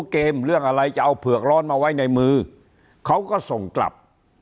เขาก็ส่งกลับ